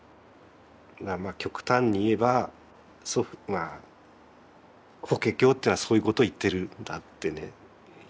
まあ極端に言えば祖父法華経っていうのはそういうことを言ってるんだってね